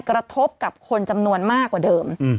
กระทบกับคนจำนวนมากกว่าเดิม